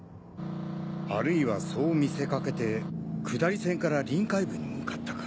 あるいはそう見せ掛けて下り線から臨海部に向かったか。